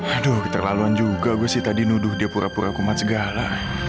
aduh keterlaluan juga gue sih tadi nuduh dia pura pura kumat segala